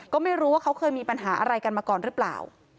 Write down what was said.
ก็ไม่รู้ว่าเขาเคยมีปัญหาอะไรกันมาก่อนหรือเปล่า